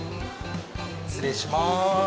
失礼します。